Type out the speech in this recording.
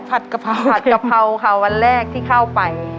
กะเพราผัดกะเพราค่ะวันแรกที่เข้าไป